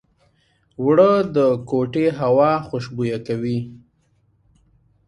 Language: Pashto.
اوړه د کوټې هوا خوشبویه کوي